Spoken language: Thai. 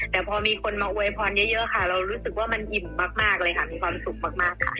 แต่พอมีคนมาอวยพรเยอะค่ะเรารู้สึกว่ามันอิ่มมากเลยค่ะมีความสุขมากค่ะ